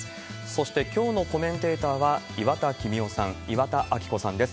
そして、きょうのコメンテーターは岩田公雄さん、岩田明子さんです。